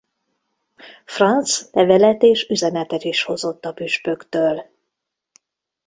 Franz levelet és üzenetet is hozott a püspöktől.